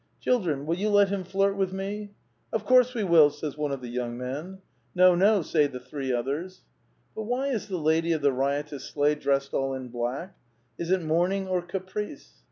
" Children, will you let him flirt with me?" " Of course we will," says one of the young men.. " No, no !" say the three others. But why is the lady of the riotous sleigh dressed all in black ? Is it mourning or caprice